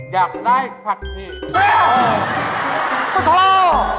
อยากได้พักชี